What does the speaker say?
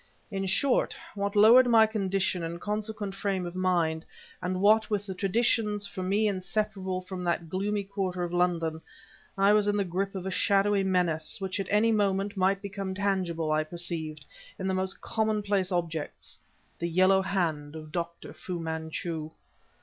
In short, what with my lowered condition and consequent frame of mind, and what with the traditions, for me inseparable from that gloomy quarter of London, I was in the grip of a shadowy menace which at any moment might become tangible I perceived, in the most commonplace objects, the yellow hand of Dr. Fu Manchu.